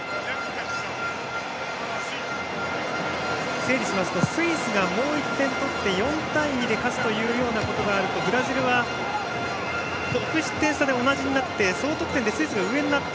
整理しますとスイスがもう１点取って４対２で勝つということがあるとブラジルは得失点差で同じになって総得点でスイスが上になって。